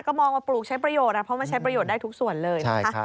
ก็มองว่าปลูกใช้ประโยชน์เพราะมันใช้ประโยชน์ได้ทุกส่วนเลยนะคะ